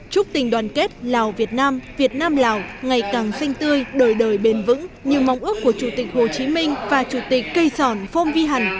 chúc tình đoàn kết lào việt nam việt nam lào ngày càng sinh tươi đời đời bền vững như mong ước của chủ tịch hồ chí minh và chủ tịch xê sổm phon vi hàn